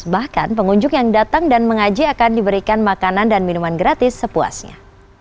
bahkan pengunjung yang datang dan mengaji akan diberikan makanan dan minuman gratis sepuasnya